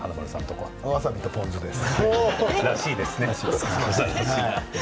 わさびとポン酢です。